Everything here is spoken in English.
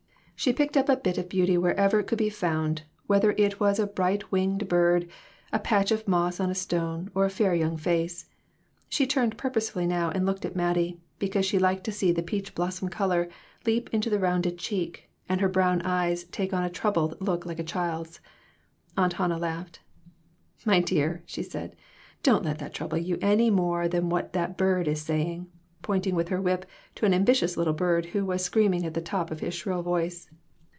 She picked up a bit of beauty wherever it could be found, whether it was a bright winged bird, a patch of moss on a stone or a fair young face. She turned purposely now and looked at Mattie, because she liked to see the peach blossom color leap into the rounded cheek, and her brown eyes take on a troubled look like a child's. Aunt Hannah laughed. "My dear," she said, "don't let that trouble you any more than what that bird is saying," pointing with her whip to an ambitious little bird who was screaming at the top of his shrill voice.